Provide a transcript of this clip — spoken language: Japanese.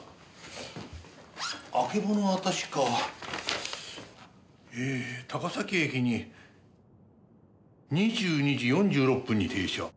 あけぼのは確か高崎駅に２２時４６分に停車。